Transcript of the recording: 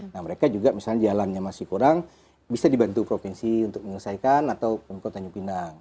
nah mereka juga misalnya jalannya masih kurang bisa dibantu provinsi untuk menyelesaikan atau tanjung pinang